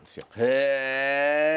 へえ！